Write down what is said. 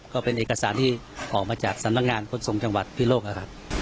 ก็เป็นเอกสารที่ออกมาจากสำนักงานขนส่งจังหวัดพิโลกนะครับ